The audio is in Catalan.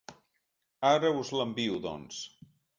Ara us l'envio, doncs.